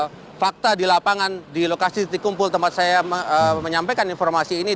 bila kita melihat sejumlah fakta di lapangan di lokasi titik kumpul tempat saya menyampaikan informasi ini